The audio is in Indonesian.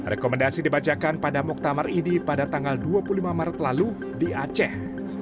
rekomendasi dibacakan pada muktamar idi pada tanggal dua puluh lima maret lalu di aceh